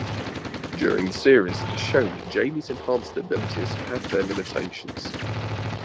During the series, it is shown that Jaime's enhanced abilities have their limitations.